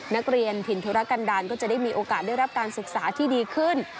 นักเรียนถิ่นธุรกันดาลก็จะได้มีโอกาสได้รับการศึกษาที่ดีขึ้น